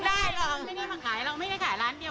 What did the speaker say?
ไม่ได้ถ่ายร้านเดียว